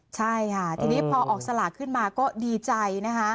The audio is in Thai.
ใช่ค่ะทีนี้พอออกสลากขึ้นมาก็ดีใจนะคะ